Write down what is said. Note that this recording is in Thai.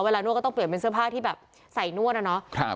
นวดก็ต้องเปลี่ยนเป็นเสื้อผ้าที่แบบใส่นวดอะเนาะ